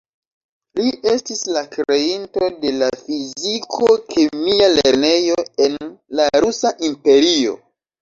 Li estis la kreinto de la fiziko-kemia lernejo en la Rusa Imperio.